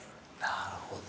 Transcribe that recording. なるほど。